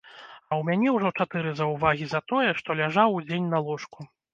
А ў мяне ўжо чатыры заўвагі за тое, што ляжаў удзень на ложку.